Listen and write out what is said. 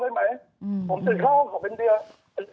ผมติดข้าวห้องของเป็นเดีย